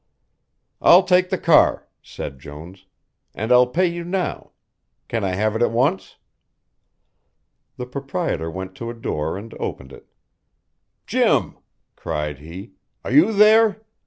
"I'll take the car," said Jones, "and I'll pay you now. Can I have it at once?" The proprietor went to a door and opened it. "Jim," cried he, "are you there?